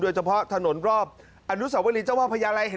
โดยเฉพาะถนนรอบอนุสวรรีเจ้าพ่อพญาแล